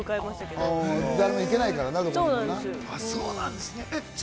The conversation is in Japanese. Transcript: どこも行けないからな。